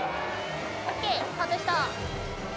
ＯＫ、外した。